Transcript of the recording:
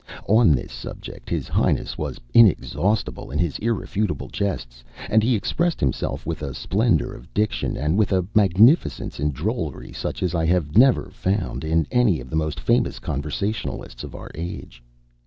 On this subject his Highness was inexhaustible in his irrefutable jests, and he expressed himself with a splendour of diction and with a magnificence in drollery such as I have never found in any of the most famous conversationalists of our age.